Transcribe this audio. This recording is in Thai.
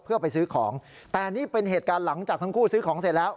เพื่อไปซื้อของแต่นี่เป็นเหตุการณ์หลังจากทั้งคู่ซื้อของเสร็จแล้ว